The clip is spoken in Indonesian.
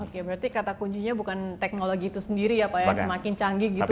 oke berarti kata kuncinya bukan teknologi itu sendiri ya pak ya semakin canggih gitu ya